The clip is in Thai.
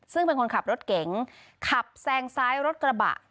ซึ่งเป็นคนขับรถเก๋งขับแซงซ้ายรถกระบะ